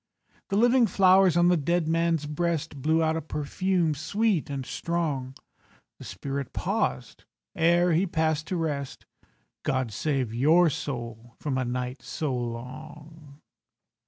The living flowers on the dead man's breast Blew out a perfume sweet and strong. The spirit paused ere he passed to rest— "God save your soul from a night so long."